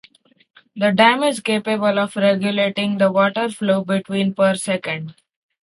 The dam is capable of regulating the water flow between per second.